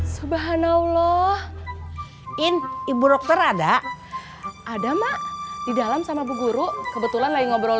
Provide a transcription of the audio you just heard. subhanallah in ibu dokter ada ada mak di dalam sama bu guru kebetulan lagi ngobrol